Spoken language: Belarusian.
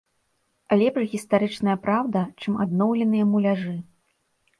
Лепш гістарычная праўда, чым адноўленыя муляжы.